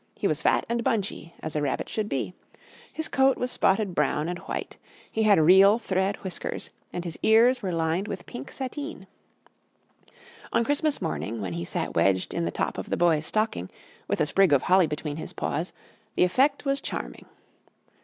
He was fat and bunchy, as a rabbit should be; his coat was spotted brown and white, he had real thread whiskers, and his ears were lined with pink sateen. On Christmas morning, when he sat wedged in the top of the Boy's stocking, with a sprig of holly between his paws, the effect was charming.